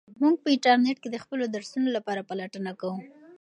موږ په انټرنیټ کې د خپلو درسونو لپاره پلټنه کوو.